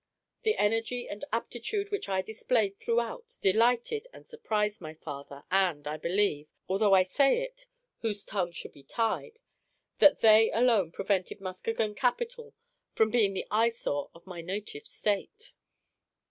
The energy and aptitude which I displayed throughout delighted and surprised my father, and I believe, although I say it whose tongue should be tied, that they alone prevented Muskegon capitol from being the eyesore of my native State.